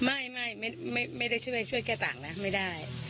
ไม่ได้ช่วยแก้ต่างนะไม่ได้